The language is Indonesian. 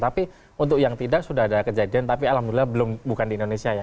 tapi untuk yang tidak sudah ada kejadian tapi alhamdulillah belum bukan di indonesia ya